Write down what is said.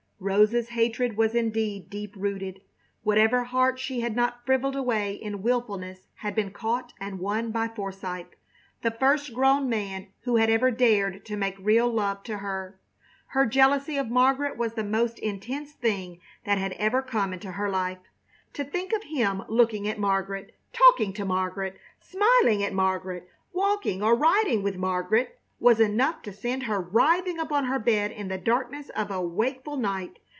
Rosa's hatred was indeed deep rooted. Whatever heart she had not frivoled away in wilfulness had been caught and won by Forsythe, the first grown man who had ever dared to make real love to her. Her jealousy of Margaret was the most intense thing that had ever come into her life. To think of him looking at Margaret, talking to Margaret, smiling at Margaret, walking or riding with Margaret, was enough to send her writhing upon her bed in the darkness of a wakeful night.